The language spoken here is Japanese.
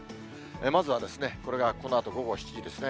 まずはこれがこのあと午後７時ですね。